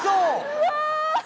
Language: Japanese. うわ！